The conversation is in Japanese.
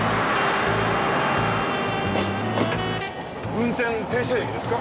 運転停車駅ですか？